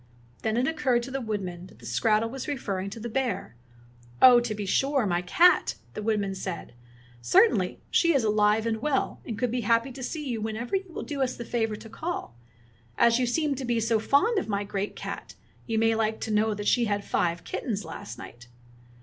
Then it occurred to the woodman that the skrattel was referring to the bear. "Oh, to be sure, my cat," the woodman said. "Cer tainly, she is alive and well, and would be happy to see you whenever you will do us the favor to call. And as you seem to be so fond of my great cat, you may like to know that she had five kittens last night."